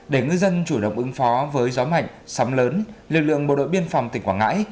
để ngư dân chủ động ứng phó với gió mạnh sóng lớn lực lượng bộ đội biên phòng tỉnh quảng ngãi